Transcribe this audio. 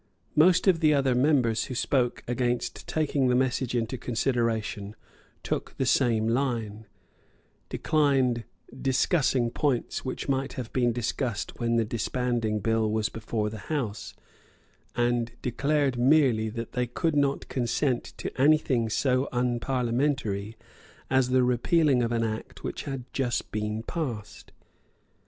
Most of the other members who spoke against taking the message into consideration took the same line, declined discussing points which might have been discussed when the Disbanding Bill was before the House, and declared merely that they could not consent to any thing so unparliamentary as the repealing of an Act which had just been passed.